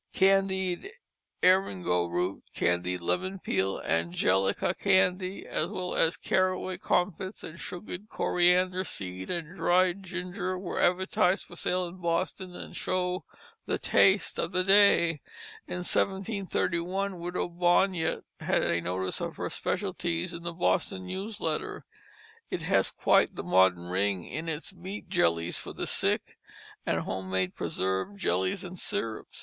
Candied eringo root, candied lemon peel, angelica candy, as well as caraway comfits and sugared coriander seed and dried ginger, were advertised for sale in Boston, and show the taste of the day. In 1731 Widow Bonyet had a notice of her specialties in the Boston News Letter. It has quite the modern ring in its meat jellies for the sick, and home made preserves, jellies, and sirups.